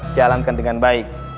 jalankan dengan baik